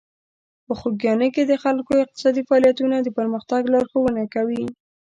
په خوږیاڼي کې د خلکو اقتصادي فعالیتونه د پرمختګ لارښوونه کوي.